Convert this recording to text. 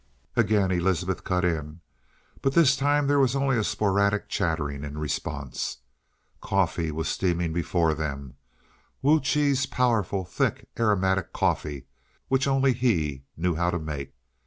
Again Elizabeth cut in. But this time there was only a sporadic chattering in response. Coffee was steaming before them, Wu Chi's powerful, thick, aromatic coffee, which only he knew how to make.